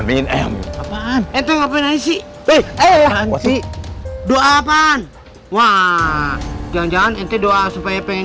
ini kerjaan berat bukannya berat bisa kita anyone